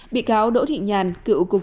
bị cáo đỗ thị nhàn cựu cục trưởng